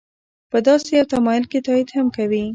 په داسې یو تمایل که تایید هم کوي.